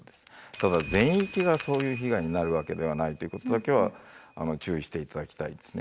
ただ全域がそういう被害になるわけではないということだけは注意して頂きたいですね。